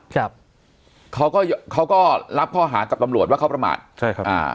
ครับเขาก็เขาก็รับข้อหากับตำรวจว่าเขาประมาทใช่ครับอ่า